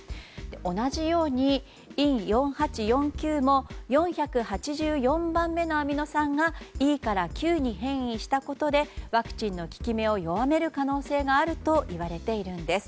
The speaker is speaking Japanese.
同じようにＥ４８４Ｑも４８４番目のアミノ酸がＥからＱに変異したことでワクチンの効き目を弱める可能性があるといわれているんです。